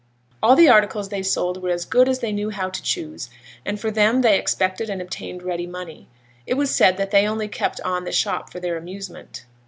All the articles they sold were as good as they knew how to choose, and for them they expected and obtained ready money. It was said that they only kept on the shop for their amusement.